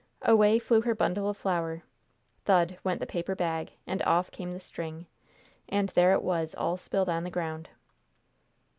Away flew her bundle of flour thud went the paper bag, and off came the string, and there it was all spilled on the ground.